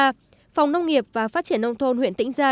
phòng nông nghiệp và phát triển nông thôn huyện tĩnh gia